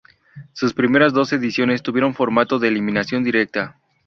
Sus primeras dos ediciones tuvieron formato de eliminación directa.